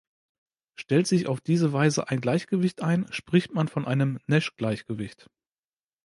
Stellt sich auf diese Weise ein Gleichgewicht ein, spricht man von einem Nash-Gleichgewicht.